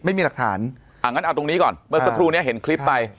ไม่มีหลักฐานอ่างั้นเอาตรงนี้ก่อนเมื่อสักครู่นี้เห็นคลิปไป